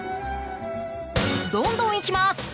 どんどんいきます。